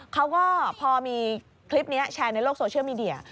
เขาก็พอมีคลิปนี้แชร์ในโลกโซเชียลมีเดีย